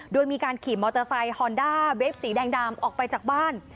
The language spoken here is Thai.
โดยมีการขี่มอเตอร์ไซค์ฮอนด้าเวฟสีแดงดำออกไปจากบ้าน